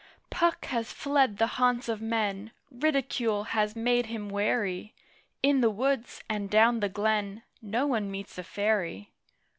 Puck has fled the haunts of men: Ridicule has made him wary: In the woods, and down the glen, No one meets a Fairy!